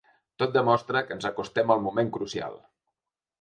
Tot demostra que ens acostem al moment crucial.